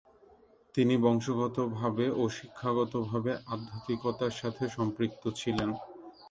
তিনি বংশগতভাবে ও শিক্ষাগতভাবে আধ্যাত্মিকতার সাথে সম্পৃক্ত ছিলেন।